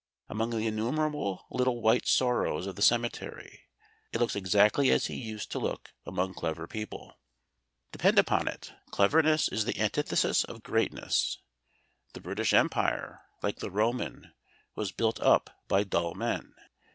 Among the innumerable little white sorrows of the cemetery it looks exactly as he used to look among clever people. Depend upon it cleverness is the antithesis of greatness. The British Empire, like the Roman, was built up by dull men.